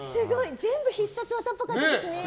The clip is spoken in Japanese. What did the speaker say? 全部、必殺技っぽかったですね。